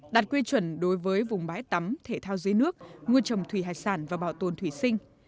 đạt quy chuẩn đối với vùng bãi tắm thể thao dưới nước nuôi trồng thủy hải sản và bảo tồn thủy sinh